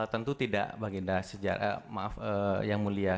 tentu tidak bang genda maaf yang mulia